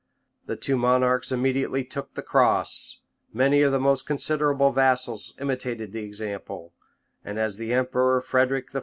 The two monarchs immediately took the cross; many of their most considerable vassals imitated the example; and as the emperor Frederic I.